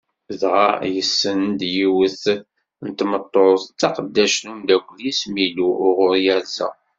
Dɣa yessen-d yiwet n tmeṭṭut, d taqeddact n umdakel-is Milu uɣur yerza.